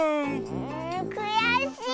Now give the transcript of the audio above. んくやしい！